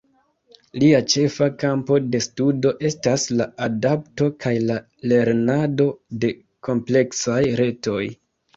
Lia ĉefa kampo de studo estas la adapto kaj la lernado de kompleksaj retoj.